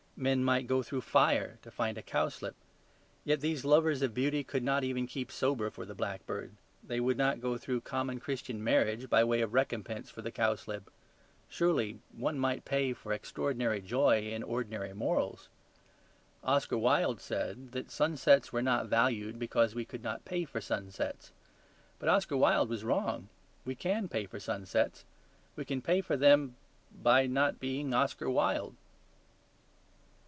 Men might go through fire to find a cowslip. Yet these lovers of beauty could not even keep sober for the blackbird. They would not go through common Christian marriage by way of recompense to the cowslip. Surely one might pay for extraordinary joy in ordinary morals. Oscar Wilde said that sunsets were not valued because we could not pay for sunsets. But Oscar Wilde was wrong; we can pay for sunsets. We can pay for them by not being Oscar Wilde.